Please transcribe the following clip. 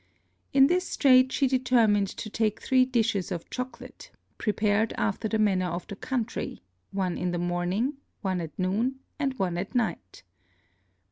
In this Strait she determined to take three Dishes of Chocolate, prepared after the manner of the Country, one in the Morning, one at Noon, and one at Night.